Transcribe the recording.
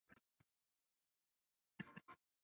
拉热斯是巴西圣卡塔琳娜州的一个市镇。